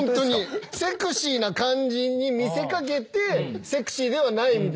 セクシーな感じに見せ掛けてセクシーではない。